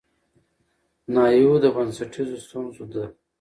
ناحيو د بنسټيزو ستونزو د